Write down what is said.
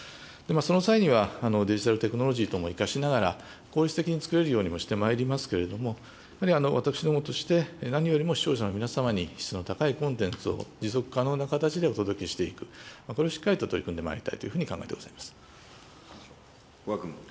その際には、デジタルテクノロジー等も生かしながら、効率的に作れるようにもしてまいりますけれども、やっぱり私どもとして、何よりも視聴者の皆様に質の高いコンテンツを持続可能な形でお届けしていく、これをしっかりと取り組んでまいりたいというふうに考えてござい古賀君。